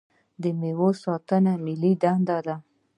د میوو ساتنه ملي دنده ده.